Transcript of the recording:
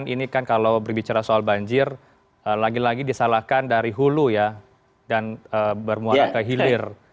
ini kan kalau berbicara soal banjir lagi lagi disalahkan dari hulu ya dan bermuara ke hilir